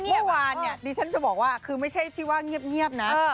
เมื่อวานเนี่ยดิฉันจะบอกว่าคือไม่ใช่ที่ว่าเงียบนะ